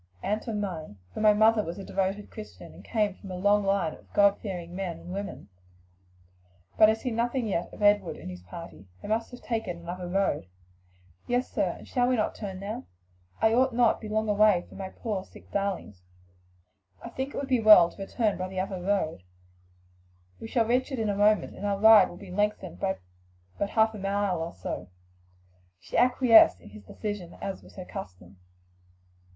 "And from mine; for my mother was a devoted Christian and came of a long line of God fearing men and women. But I see nothing yet of Edward and his party; they must have taken another road." "Yes, sir; and shall we not turn now? I ought not to be long away from my poor sick darlings." "I think it would be well to return by the other road; we shall reach it in a moment, and our ride will be lengthened by but a half mile or so." She acquiesced in his decision, as was her custom.